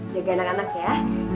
jaga anak anak ya